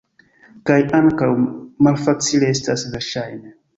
Kaj ankaŭ malfacile estas, verŝajne.